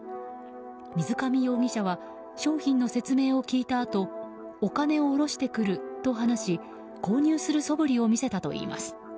水上容疑者は商品の説明を聞いたあとお金をおろしてくると話し購入するそぶりを見せたといいます。